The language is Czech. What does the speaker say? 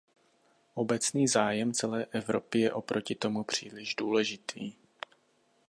Obecný zájem celé Evropy je oproti tomu příliš důležitý.